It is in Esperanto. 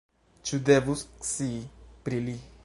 Ĉiu devus scii pri li.